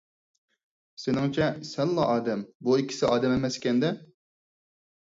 سېنىڭچە سەنلا ئادەم، بۇ ئىككىسى ئادەم ئەمەس ئىكەن - دە!